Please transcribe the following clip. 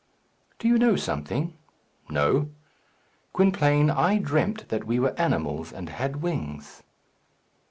"Do you know something?" "No." "Gwynplaine, I dreamt that we were animals, and had wings."